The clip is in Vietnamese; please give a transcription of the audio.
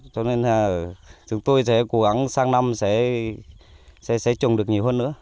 cho nên là chúng tôi sẽ cố gắng sang năm sẽ trồng được nhiều hơn nữa